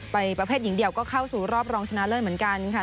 ประเภทหญิงเดียวก็เข้าสู่รอบรองชนะเลิศเหมือนกันค่ะ